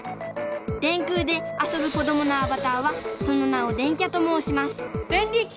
電空で遊ぶ子どものアバターはその名を「電キャ」ともうしますデンリキ！